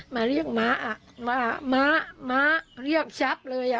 มาเรียกม้าอ่ะว่าม้าม้าเรียกชับเลยอ่ะ